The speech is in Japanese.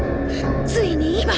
ついに今